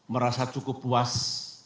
merasa cukup puas